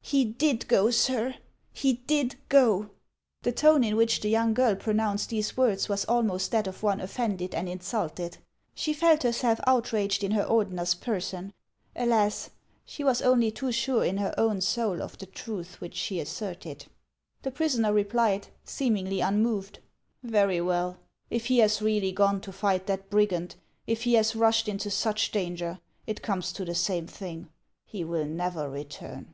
" He did go, sir ; he did go." The tone in which the young girl pronounced these words was almost that of one offended and insulted. She felt herself outraged in her Ordener's person. Alas ! she was only too sure in her own soul of the truth which she asserted. The prisoner replied, seemingly unmoved :" Very well. If he has really gone to fight that brigand, if he has rushed into such danger, it comes to the same thing, — he will never return."